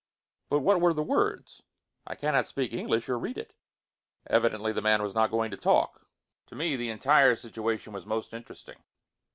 "But what were the words?" "I cannot speak English, or read it." Evidently, the man was not going to talk. To me the entire situation was most interesting.